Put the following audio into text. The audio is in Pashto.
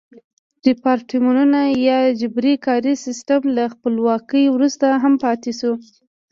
ریپارټمنټو یا جبري کاري سیستم له خپلواکۍ وروسته هم پاتې شو.